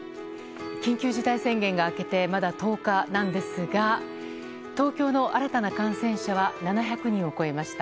緊急事態宣言が明けてまだ１０日なんですが東京の新たな感染者は７００人を超えました。